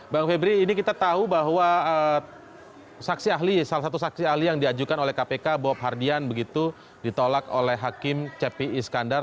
bang febri ini kita tahu bahwa saksi ahli salah satu saksi ahli yang diajukan oleh kpk bob hardian begitu ditolak oleh hakim cepi iskandar